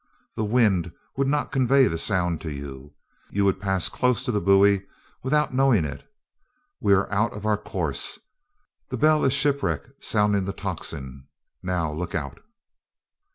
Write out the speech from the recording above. The wind would not convey the sound to you. You would pass close to the buoy without knowing it. We are out of our course. That bell is shipwreck sounding the tocsin. Now, look out!"